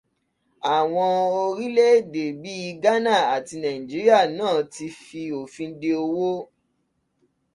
Àwọn orílè-èdè bí Gánà àti Nàìjá náà ti fi òfin de owó.